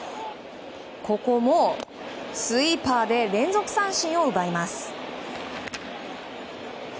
ここもスイーパーで連続三振を奪います。